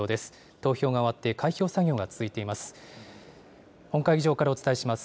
投票が終わって開票作業が続いています。